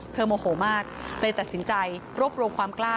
โมโหมากเลยตัดสินใจรวบรวมความกล้า